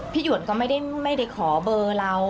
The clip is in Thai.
หยวนก็ไม่ได้ขอเบอร์เรา